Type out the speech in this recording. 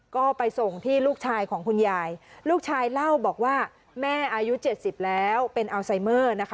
ก็ไปส่งที่ลูกชายของคุณยายลูกชายเล่าบอกว่าแม่อายุ๗๐แล้วเป็นอัลไซเมอร์นะคะ